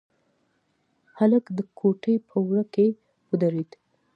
هلک د کوټې په وره کې ودرېد.